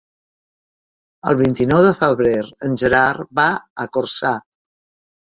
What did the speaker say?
El vint-i-nou de febrer en Gerard va a Corçà.